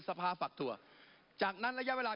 สภาษณ์ฝักถั่วจากนั้นระยะเวลา